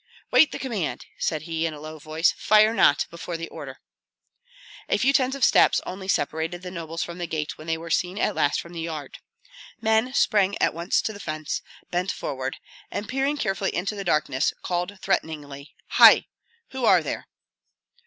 "Wait the command!" said he, in a low voice. "Fire not before the order." A few tens of steps only separated the nobles from the gate when they were seen at last from the yard. Men sprang at once to the fence, bent forward, and peering carefully into the darkness, called threateningly, "Hei! Who are there?"